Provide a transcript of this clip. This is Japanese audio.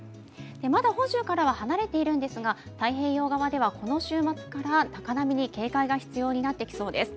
まだ本州からは離れているんですが太平洋側ではこの週末から高波に警戒が必要になってきます。